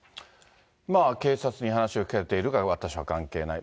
警察に話を聴かれているが、私は関係ない。